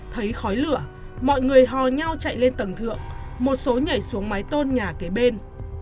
thấy khói lửa mọi người hò nhau chạy lên tầng thượng một số nhảy xuống mái tôn nhà kế bên